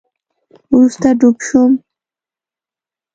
وروسته ډوب شوم